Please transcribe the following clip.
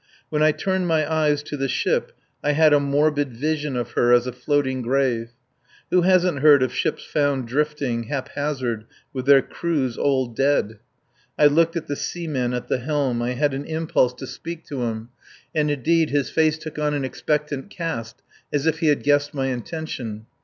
When I turned my eyes to the ship, I had a morbid vision of her as a floating grave. Who hasn't heard of ships found floating, haphazard, with their crews all dead? I looked at the seaman at the helm, I had an impulse to speak to him, and, indeed, his face took on an expectant cast as if he had guessed my intention.